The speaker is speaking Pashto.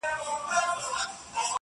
دې سړو وینو ته مي اور ورکړه!.